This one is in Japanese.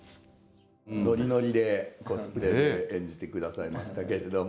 ノリノリでコスプレで演じて下さいましたけれども。